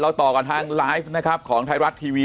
เราต่อกันทางไลฟ์ของไทรรัติ์ทีวี